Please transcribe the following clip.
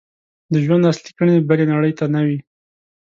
د ژوند اصلي کړنې بلې نړۍ ته نه وي.